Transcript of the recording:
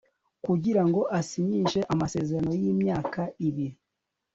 kugirango asinyishe amasezerano yimyaka ibiri